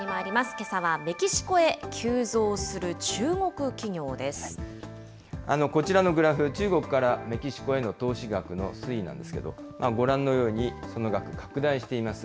けさは、こちらのグラフ、中国からメキシコへの投資額の推移なんですけど、ご覧のようにその額、拡大しています。